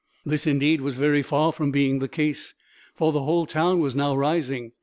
This, indeed, was very far from being the case, for the whole town was now rising.